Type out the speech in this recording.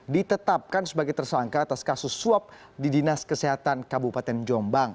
ditetapkan sebagai tersangka atas kasus suap di dinas kesehatan kabupaten jombang